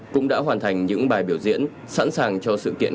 cũng đã hoàn thành những bài biểu diễn sẵn sàng cho sự kiện